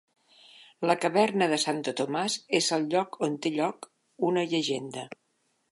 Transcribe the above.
La caverna de Santo Tomás és el lloc on té lloc una llegenda.